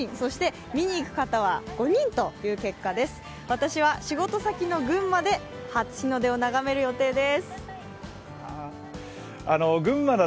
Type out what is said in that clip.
私は仕事先の群馬で初日の出を眺める予定です。